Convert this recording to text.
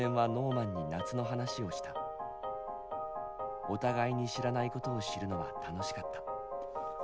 お互いに知らないことを知るのは楽しかった。